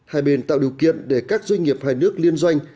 hai bên tạo điều kiện để các doanh nghiệp hai nước liên doanh